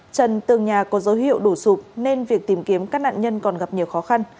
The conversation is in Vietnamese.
trần tường nhà có dấu hiệu đổ sụp nên việc tìm kiếm các nạn nhân còn gặp nhiều khó khăn